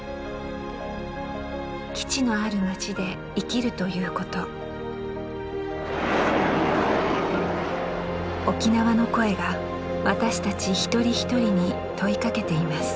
基地のある町で生きるということ沖縄の声が私たち一人一人に問いかけています